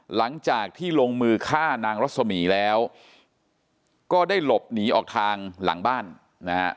หลังจากที่ลงมือฆ่านางรัศมีแล้วก็ได้หลบหนีออกทางหลังบ้านนะฮะ